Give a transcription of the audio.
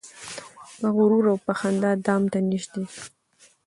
په غرور او په خندا دام ته نیژدې سو